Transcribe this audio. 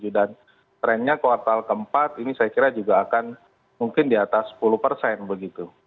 dan trendnya kuartal keempat ini saya kira juga akan mungkin di atas sepuluh begitu